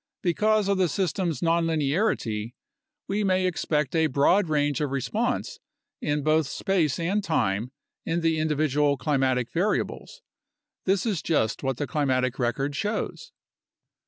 Because of the system's nonlinearity, we may expect a broad range of response in both space and time in the individual climatic variables. This is just what the climatic record shows.